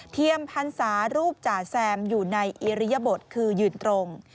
พันศารูปจ่าแซมอยู่ในอิริยบทคือยืนตรง